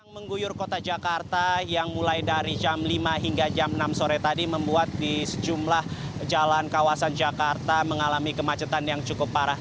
mengguyur kota jakarta yang mulai dari jam lima hingga jam enam sore tadi membuat di sejumlah jalan kawasan jakarta mengalami kemacetan yang cukup parah